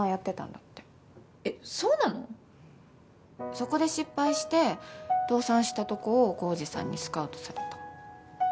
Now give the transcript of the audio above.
そこで失敗して倒産したとこを晃司さんにスカウトされた。